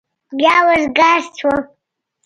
بيا وزگار سوم.